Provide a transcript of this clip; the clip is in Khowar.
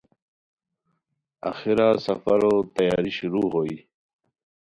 آخرا سفرو تیاری شروع ہوئی